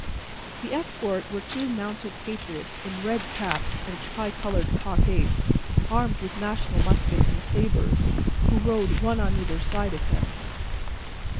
The escort were two mounted patriots in red caps and tri coloured cockades, armed with national muskets and sabres, who rode one on either side of him.